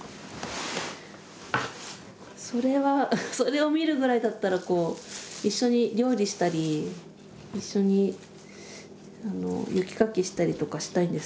それはそれを見るぐらいだったら一緒に料理したり一緒に雪かきしたりとかしたいんですけど。